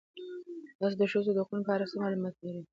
تاسې د ښځو د حقونو په اړه څه معلومات لرئ؟